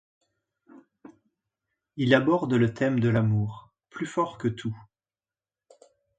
Il aborde le thème de l'amour, plus fort que tout.